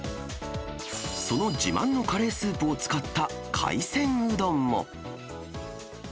その自慢のカレースープを使った海鮮うどんも。